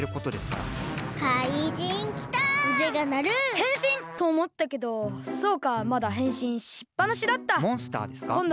へんしんとおもったけどそうかまだへんしんしっぱなしだった。